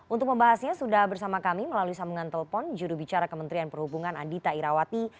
untuk membahasnya sudah bersama kami melalui sambungan telpon juru bicara kementerian perhubungan adhita irawati